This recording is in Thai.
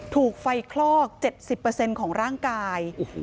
ถูกไฟคลอกเจ็บสิบเปอร์เซ็นต์ของร่างกายโอ้โห